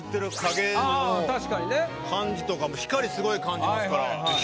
感じとか光すごい感じますから。